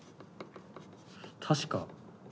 確か。